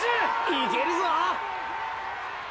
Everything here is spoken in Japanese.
いけるぞ！